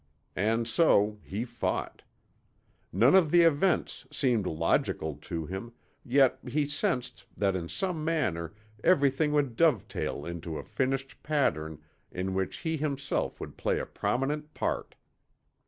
And so he fought. None of the events seemed logical to him, yet he sensed that in some manner everything would dovetail into a finished pattern in which he himself would play a prominent part.